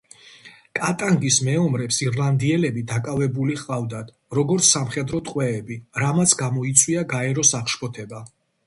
კატანგის მეომრებს ირლანდიელები დაკავებული ჰყავდათ, როგორც სამხედრო ტყვეები, რამაც გამოიწვია გაეროს აღშფოთება.